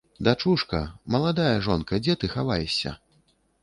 Дачушка, маладая жонка, дзе ты хаваешся?